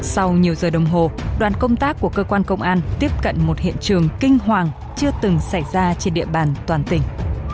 sau nhiều giờ đồng hồ đoàn công tác của cơ quan công an tiếp cận một hiện trường kinh hoàng chưa từng xảy ra trên địa bàn toàn tỉnh